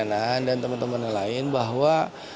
saya berharap dengan teman teman lain bahwa